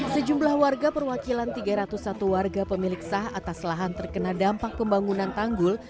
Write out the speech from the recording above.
sejumlah warga perwakilan tiga ratus satu warga pemilik sah atas lahan terkena dampak pembangunan tanggul